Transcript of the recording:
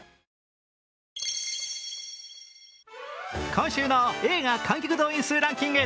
今週の映画観客動員数ランキング。